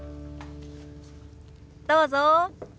どうぞ。